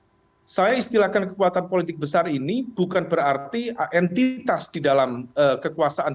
oke termasuk presiden jokowi ya saya istilahkan kekuatan politik besar ini bukan berarti entitas di dalam kekuasaan